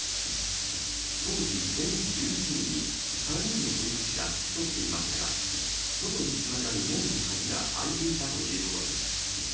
当時、園児１１人に３人の保育士が付き添っていましたが外につながる門の鍵が開いていたということです。